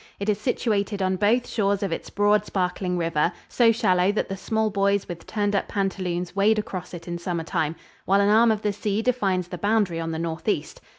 It is situated on both shores of its broad, sparkling river so shallow that the small boys with turned up pantaloons wade across it in summer time while an arm of the sea defines the boundary on the northeast.